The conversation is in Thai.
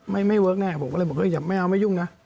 ไม่เวิร์คแน่ผมก็เลยบอกเฮ้ยอย่าไม่เอาไม่ยุ่งนะ